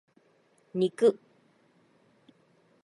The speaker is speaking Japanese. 肉